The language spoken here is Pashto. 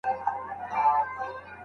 د غریب پر مرګ څوک نه ژاړي.